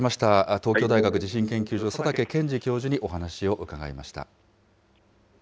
東京大学地震研究所、佐竹健治教授にお話を伺いました。